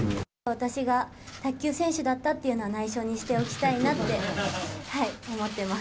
私が卓球選手だったっていうのは、ないしょにしておきたいなって思ってます。